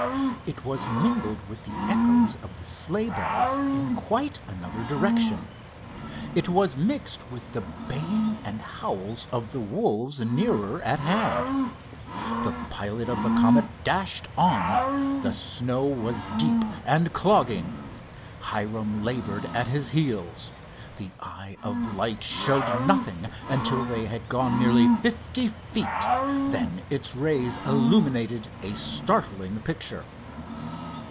It was mingled with the echoes of the sleigh bells in quite another direction. It was mixed with the baying and howls of the wolves nearer at hand. The pilot of the Comet dashed on. The snow was deep and clogging. Hiram labored at his heels. The eye of light showed nothing until they had gone nearly fifty feet. Then its rays illumined a startling picture.